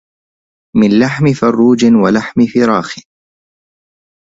من لحم فروجٍ ولحم فَرخِ